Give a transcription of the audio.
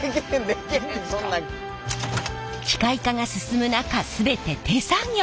機械化が進む中全て手作業！